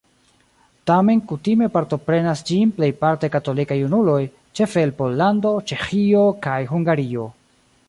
Tamen kutime partoprenas ĝin plejparte katolikaj junuloj, ĉefe el Pollando, Ĉeĥio kaj Hungario.